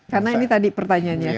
karena ini tadi pertanyaannya